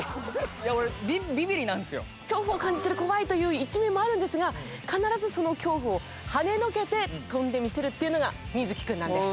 いや俺恐怖を感じてる怖いという一面もあるんですが必ずその恐怖をはねのけて跳んでみせるっていうのが瑞稀君なんです。